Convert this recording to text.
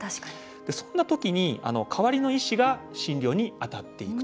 そんな時に代わりの医師が診療に当たっていくと。